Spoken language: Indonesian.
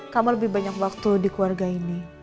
kamu lebih banyak waktu di keluarga ini